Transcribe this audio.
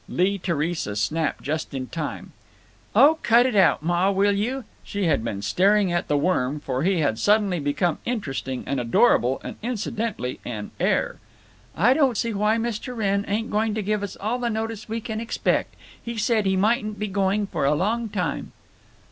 Lee Theresa snapped just in time, "Oh, cut it out, Ma, will you!" She had been staring at the worm, for he had suddenly become interesting and adorable and, incidentally, an heir. "I don't see why Mr. Wrenn ain't giving us all the notice we can expect. He said he mightn't be going for a long time."